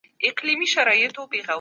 د الله رضا په حق پاللو کي ده.